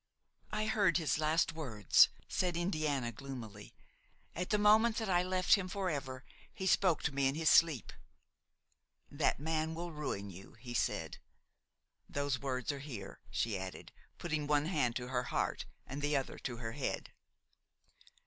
"I heard his last words," said Indiana gloomily; "at the moment that I left him forever, he spoke to me in his sleep. 'That man will ruin you,' he said. Those words are here," she added, putting one hand to her heart and the other to her head.